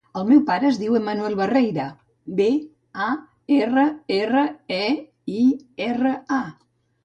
El meu pare es diu Emanuel Barreira: be, a, erra, erra, e, i, erra, a.